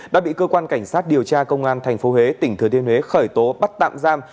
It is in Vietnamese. đã bị cơ quan cảnh sát điều tra công an tp huế tỉnh thừa thiên huế khởi tố bắt tạm giam